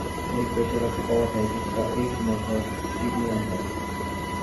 ایک پیش رفت اور ہے جس کا ایک مظہر پی ٹی ایم ہے۔